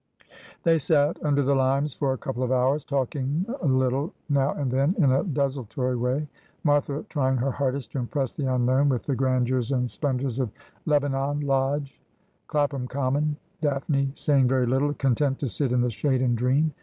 They sat' under the limes for a couple of hours, talking a little now and then in a desultory way ; Martha trying her hardest to impress the unknown with the grandeurs and splen dours of Lebanon Lodge, Clapham Common ; Daphne saying very little, content to sit in the shade and dream.